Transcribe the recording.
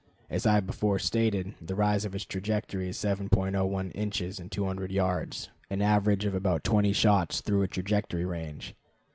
As I have before stated, the rise of its trajectory is 7.01 inches in 200 yards, an average of about twenty shots through a trajectory range.